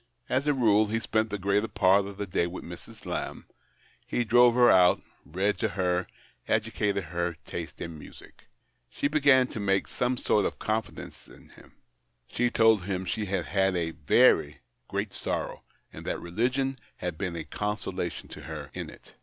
As a rule he spent the greater part of the day with Mrs. Lamb : he drove her out, read to her, educated her taste in music. She began to make some sort of confidences to him ; she told him that she had had a very great sorrow, and that religion had been a consolation to her in it.